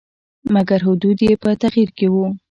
مګر حدود یې په تغییر کې وو.